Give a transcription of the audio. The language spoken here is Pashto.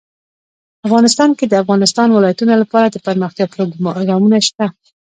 افغانستان کې د د افغانستان ولايتونه لپاره دپرمختیا پروګرامونه شته.